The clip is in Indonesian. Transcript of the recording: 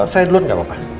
saya duluan gak apa apa